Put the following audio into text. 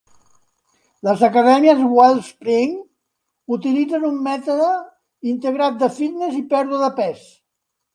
Les acadèmies Wellspring utilitzen un mètode integrat de fitness i pèrdua de pes.